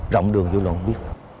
rộng đường dư luận biết